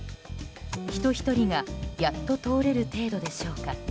人ひとりがやっと通れる程度でしょうか。